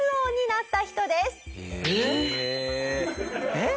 えっ？